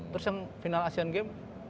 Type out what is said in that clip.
terus yang final asean games